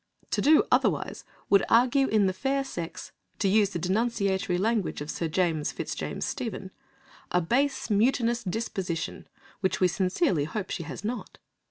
To do otherwise would argue in the fair sex (to use the denunciatory language of Sir James FitzJames Stephen) a "base, mutinous disposition," which we sincerely hope she has not.